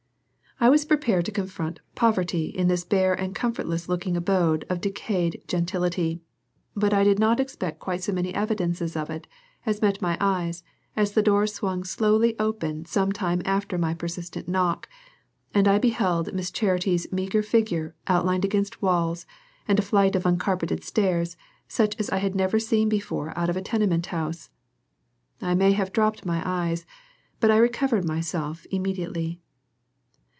I was prepared to confront poverty in this bare and comfortless looking abode of decayed gentility. But I did not expect quite so many evidences of it as met my eyes as the door swung slowly open some time after my persistent knock, and I beheld Miss Charity's meager figure outlined against walls and a flight of uncarpeted stairs such as I had never seen before out of a tenement house. I may have dropped my eyes, but I recovered myself immediately.